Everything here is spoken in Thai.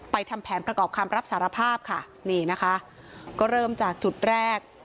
ทำแผนประกอบคำรับสารภาพค่ะนี่นะคะก็เริ่มจากจุดแรก